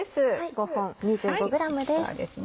５本２５ｇです。